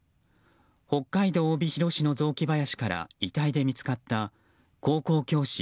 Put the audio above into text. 北海道帯広市の雑木林から遺体で見つかった高校教師